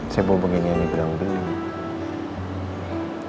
saya bawa begini ini belang beling